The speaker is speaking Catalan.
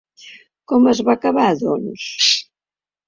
Com es va acabar, doncs?